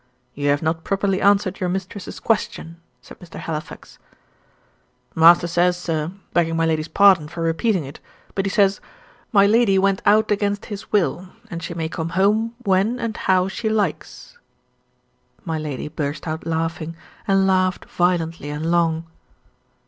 "You have not properly answered your mistress's question," said Mr. Halifax. "Master says, sir begging my lady's pardon for repeating it but he says, 'My lady went out against his will, and she may come home when and how she likes.'" "My lady" burst out laughing, and laughed violently and long.